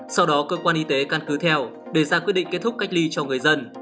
sau đó cơ quan y tế căn cứ theo để ra quyết định kết thúc cách ly cho người dân